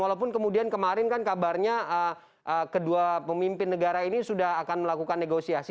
walaupun kemudian kemarin kan kabarnya kedua pemimpin negara ini sudah akan melakukan negosiasi